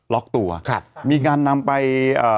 ล๊อคตัวใครไม่งานนำไป